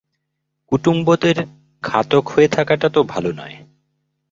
কুটুম্বদের খাতক হয়ে থাকাটা তো ভালো নয়।